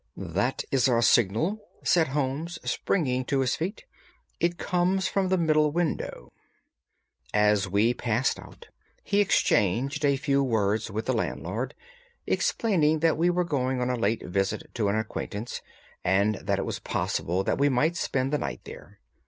"That is our signal," said Holmes, springing to his feet; "it comes from the middle window." As we passed out he exchanged a few words with the landlord, explaining that we were going on a late visit to an acquaintance, and that it was possible that we might spend the night there.